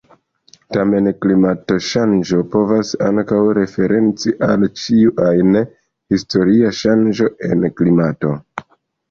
Tamen klimata ŝanĝo povas ankaŭ referenci al ĉiu ajn historia ŝanĝo en klimato.